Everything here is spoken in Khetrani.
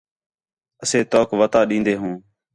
اَسے تَؤک وَتا ݙین٘دے ہوں